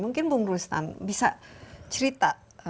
mungkin bu nuristan bisa cerita